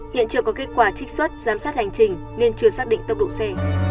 hiện chưa có kết quả trích xuất giám sát hành trình nên chưa xác định tốc độ c